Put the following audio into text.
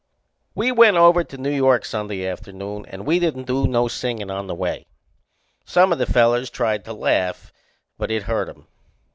We went over to New York Sunday afternoon and we didn't do no singin' on the way. Some o' the fellers tried to laugh, but it hurt 'em.